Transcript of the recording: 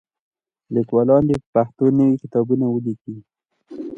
لیکوالان دې په پښتو نوي کتابونه ولیکي.